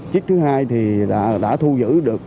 chiếc thứ hai thì đã thu giữ được